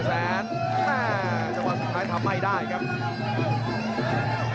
แล้วขวาสุดท้ายทำไหม้ได้ครับ